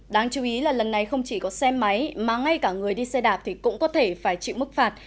đáng chú ý là lần này không chỉ có xe máy mà ngay cả người đi xe đạp thì cũng có thể phải chịu mức phạt